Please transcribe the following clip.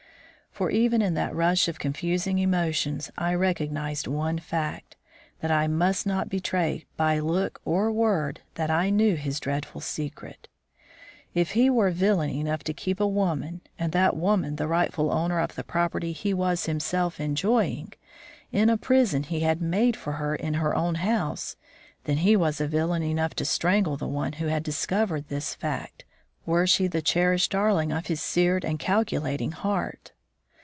For even in that rush of confusing emotions I recognized one fact; that I must not betray by look or word that I knew his dreadful secret. If he were villain enough to keep a woman, and that woman the rightful owner of the property he was himself enjoying, in a prison he had made for her in her own house, then he was villain enough to strangle the one who had discovered this fact, were she the cherished darling of his seared and calculating heart.